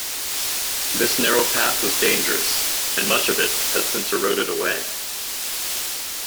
This narrow path was dangerous and much of it has since eroded away.